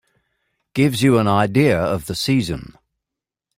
Gives you an idea of the season.